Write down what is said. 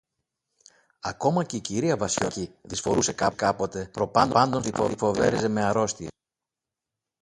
Ακόμα και η κυρία Βασιωτάκη δυσφορούσε κάποτε, προπάντων σαν τη φοβέριζε με αρρώστιες.